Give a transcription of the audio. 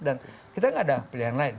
dan kita tidak ada pilihan lain